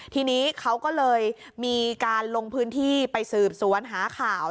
ทีนี้เขาก็เลยมีการลงพื้นที่ไปสืบสวนหาข่าว